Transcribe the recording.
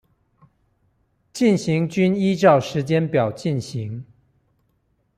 進行均依照時間表進行